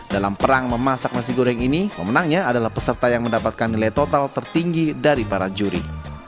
dalam perang memasak nasi goreng ini pemenangnya adalah peserta yang mendapatkan nilai total tertinggi dari para juri